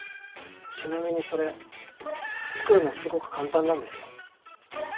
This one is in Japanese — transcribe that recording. ちなみにそれ作るのすごく簡単なんですよ。